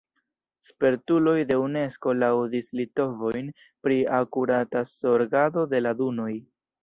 Spertuloj de Unesko laŭdis litovojn pri akurata zorgado de la dunoj.